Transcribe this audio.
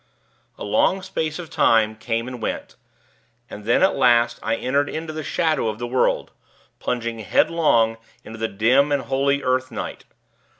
A long space of time came and went, and then at last I entered into the shadow of the world plunging headlong into the dim and holy earth night.